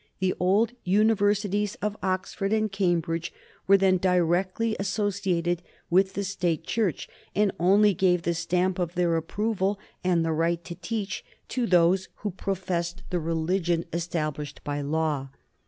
The old Universities of Oxford and Cambridge were then directly associated with the State Church, and only gave the stamp of their approval and the right to teach to those who professed the religion established by law.